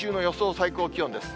最高気温です。